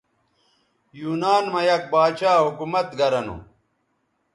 یونان مہ یک باچھا حکومت گرہ نو